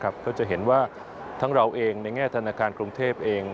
ก็จะเห็นว่าทั้งเราเองในแง่ธนาคารกรุงเทพเอง